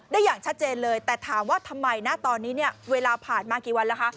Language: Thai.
อย่างชัดเจนเลยแต่ถามว่าทำไมนะตอนนี้เนี่ยเวลาผ่านมากี่วันแล้วคะ